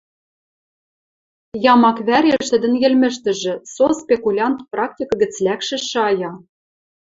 Ямак вӓреш тӹдӹн йӹлмӹштӹжӹ со спекулянт практика гӹц лӓкшӹ шая: